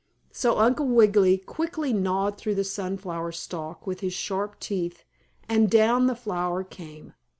So Uncle Wiggily quickly gnawed through the sunflower stalk with his sharp teeth, and down the flower came.